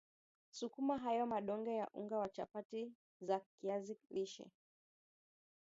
Sukuma hayo madonge ya unga wa chapati za kiazi lishe